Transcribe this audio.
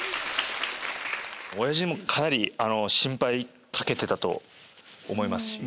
おやじにもかなり心配かけてたと思いますし。